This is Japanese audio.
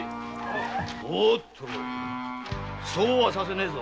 おっとそうはさせねえぞ。